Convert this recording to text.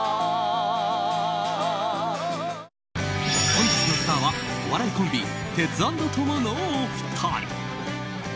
本日のスターはお笑いコンビテツａｎｄトモのお二人。